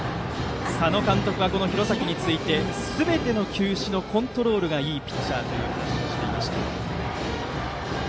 佐野監督は廣崎についてすべての球種のコントロールがいいピッチャーと話していました。